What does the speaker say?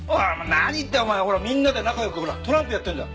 何ってお前ほらみんなで仲良くトランプやってるんだよ。